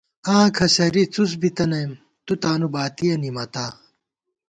آں کھسَری څُس بی تنئیم، تُو تانُو باتِیہ نِمَتا